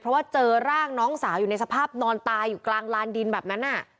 เพราะว่าเจอร่างน้องสาวอยู่ในสภาพนอนตายอยู่กลางลานดินแบบนั้น